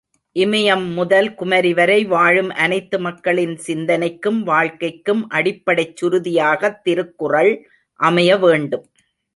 இமயம் முதல் குமரி வரை வாழும் அனைத்து மக்களின் சிந்தனைக்கும் வாழ்க்கைக்கும் அடிப்படைச் சுருதியாகத் திருக்குறள் அமைய வேண்டும்.